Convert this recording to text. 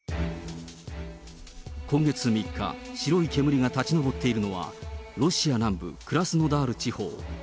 今月３日、白い煙が立ち上っているのは、ロシア南部クラスノダール地方。